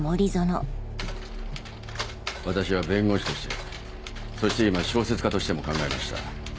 私は弁護士としてそして今小説家としても考えました。